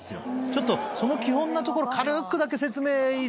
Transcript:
ちょっとその基本のところ軽くだけ説明いいですか？